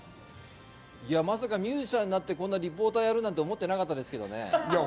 まさかミュージシャンになって、リポーターをやるなんて思ってなかったですけどね。